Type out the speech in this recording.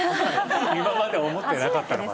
今まで思ってなかったのか。